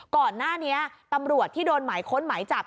ก่อนหน้านี้ตำรวจที่โดนหมายค้นหมายจับ